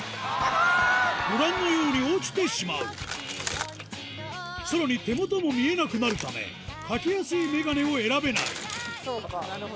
ご覧のように落ちてしまうさらに手元も見えなくなるためかけやすいメガネを選べないそうかなるほど。